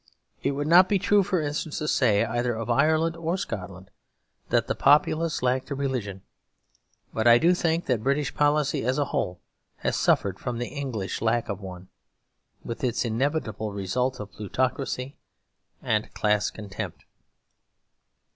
It would not be true, for instance, to say either of Ireland or Scotland that the populace lacked a religion; but I do think that British policy as a whole has suffered from the English lack of one, with its inevitable result of plutocracy and class contempt_.